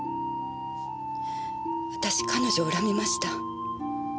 私彼女を恨みました。